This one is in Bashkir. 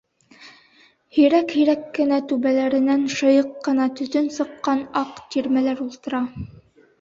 Һирәк-Һирәк кенә, түбәләренән шыйыҡ ҡына төтөн сыҡҡан аҡ тирмәләр ултыра.